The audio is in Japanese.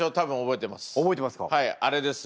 はいあれです